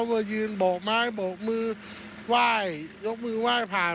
มายืนบกไม้บกมือหว่ายยกมือหว่ายผ่าน